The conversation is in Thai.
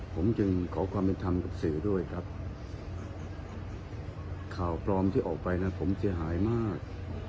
ผมจึงขอความเป็นธรรมกับสื่อด้วยครับข่าวปลอมที่ออกไปนะผมเสียหายมาก